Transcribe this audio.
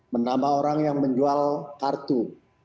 menambah orang yang menjual kartu